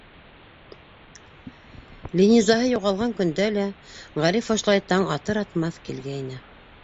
Линизаһы юғалған көндә лә, Ғариф ошолай таң атыр-атмаҫ килгәйне.